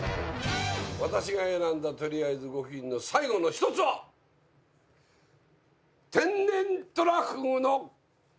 私が選んだとりあえず５品の最後の１つは天然トラフグの唐揚げです！